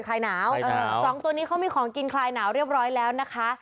คลายหนาวสองตัวนี้เขามีของกินคลายหนาวเรียบร้อยแล้วนะคะ